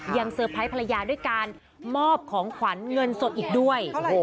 เซอร์ไพรส์ภรรยาด้วยการมอบของขวัญเงินสดอีกด้วย